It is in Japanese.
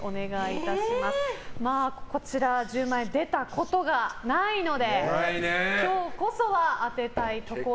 こちら１０万円出たことがないので今日こそは当てたいところ。